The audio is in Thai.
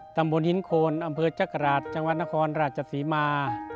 ตำบลหินโคนอำเภอจักราชจังหวัดนครราชศรีมา